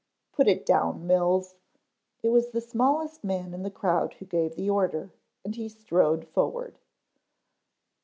"Put it down, Mills." It was the smallest man in the crowd who gave the order and he strode forward.